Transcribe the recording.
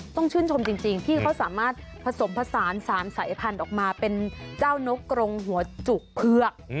ต้องชื่นชมจริงที่เขาสามารถผสมผสาน๓สายพันธุ์ออกมาเป็นเจ้านกกรงหัวจุกเผือก